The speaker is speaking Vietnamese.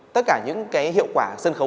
tất cả những cái hiệu quả sân khấu